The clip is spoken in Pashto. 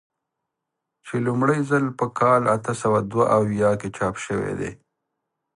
چې لومړی ځل په کال اته سوه دوه اویا کې چاپ شوی دی.